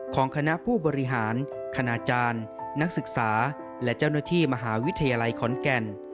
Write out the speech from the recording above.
ของคณะผู้บริหารคณาจารย์นักศึกษาและเจ้าหน้าที่มหาวิทยาลัยขอนแก่น